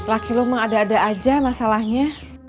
laki lu mengada ada aja masalahnya